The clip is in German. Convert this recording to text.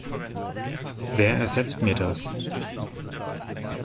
Wer ersetzt mir das?